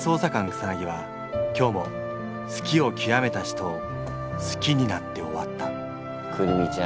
草は今日も好きをきわめた人を好きになって終わったクルミちゃん